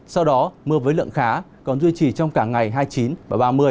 sau đó mưa với lượng khá còn duy trì trong cả ngày hai mươi chín và ba mươi